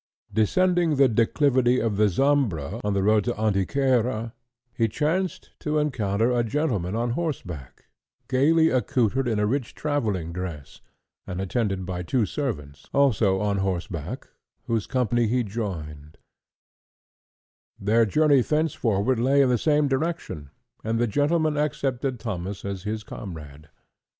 Descending the declivity of the Zambra on the road to Antequera, he chanced to encounter a gentleman on horseback, gaily accoutred in a rich travelling dress, and attended by two servants, also on horseback, whose company he joined; their journey thenceforward lay in the same direction, and the gentleman accepted Thomas as his comrade.